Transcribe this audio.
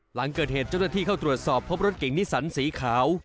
หลังเกิดเหตุเจ้าหน้าที่เข้าตรวจสอบพบรถเก่งนิสันสีขาว